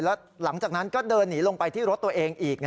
แล้วหลังจากนั้นก็เดินหนีลงไปที่รถตัวเองอีก